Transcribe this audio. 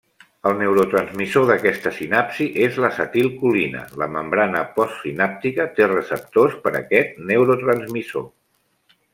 El neurotransmissor d'aquesta sinapsi és l'acetilcolina, La membrana postsinàptica té receptors per aquest neurotransmissor.